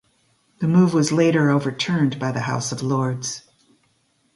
The move was later overturned by the House of Lords.